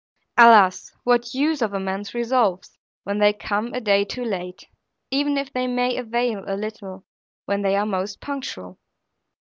Alas what use of man's resolves, when they come a day too late; even if they may avail a little, when they are most punctual!